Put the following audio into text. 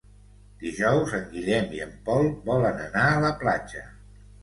Dijous en Guillem i en Pol volen anar a la platja.